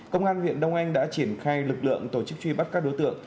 công an huyện đông anh đã triển khai lực lượng tổ chức truy bắt các đối tượng